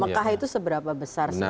mekah itu seberapa besar sih